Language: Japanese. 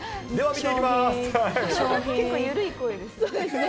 結構緩い声ですね。